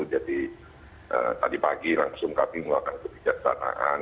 jadi tadi pagi langsung kami melakukan kebijaksanaan